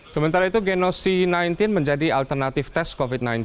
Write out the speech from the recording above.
sementara itu genosi sembilan belas menjadi alternatif tes covid sembilan belas